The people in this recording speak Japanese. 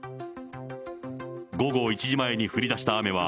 午後１時前に降りだした雨は、